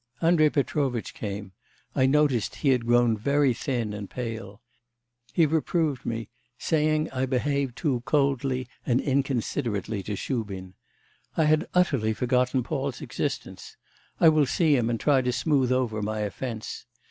Andrei Petrovitch came; I noticed he had grown very thin and pale. He reproved me, saying I behave too coldly and inconsiderately to Shubin. I had utterly forgotten Paul's existence. I will see him, and try to smooth over my offence.